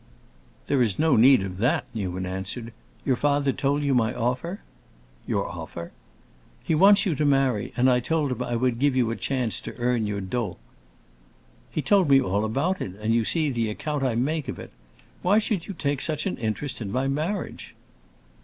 "There is no need of that," Newman answered; "your father told you my offer?" "Your offer?" "He wants you to marry, and I told him I would give you a chance to earn your dot." "He told me all about it, and you see the account I make of it! Why should you take such an interest in my marriage?"